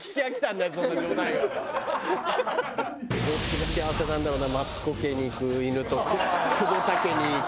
どっちが幸せなんだろうなマツコ家に行く犬と久保田家に行く。